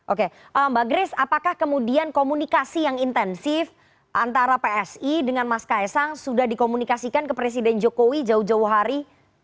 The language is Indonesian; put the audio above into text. oke mbak grace apakah kemudian komunikasi yang intensif antara psi dengan mas kaisang sudah dikomunikasikan ke presiden jokowi jauh jauh hari